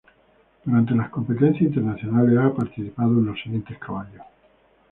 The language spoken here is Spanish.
Durante las competencias internacionales ha participado en los siguientes caballos.